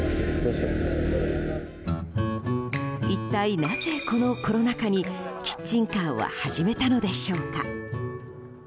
一体なぜ、このコロナ禍にキッチンカーを始めたのでしょうか。